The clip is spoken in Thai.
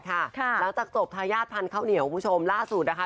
หลังจากจบทายาทพันธุ์ข้าวเหนียวคุณผู้ชมล่าสุดนะคะ